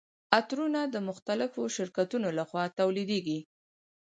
عطرونه د مختلفو شرکتونو لخوا تولیدیږي.